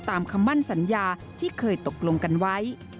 คำมั่นสัญญาที่เคยตกลงกันไว้